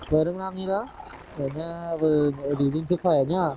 vừa đông nam như đó ở nhà vừa đi bình chức khỏe nhé